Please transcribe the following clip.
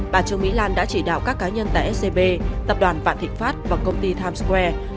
bà trương mỹ lan đã chỉ đạo các cá nhân tại scb tập đoàn vạn thịnh pháp và công ty times square